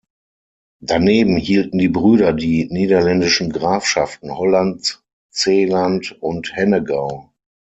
Daneben hielten die Brüder die niederländischen Grafschaften Holland, Zeeland und Hennegau.